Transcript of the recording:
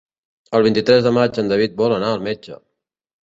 El vint-i-tres de maig en David vol anar al metge.